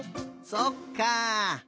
そっか。